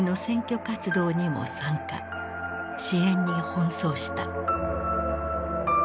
支援に奔走した。